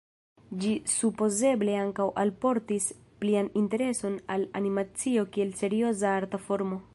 Ĝi supozeble ankaŭ alportis plian intereson al animacio kiel serioza arta formo.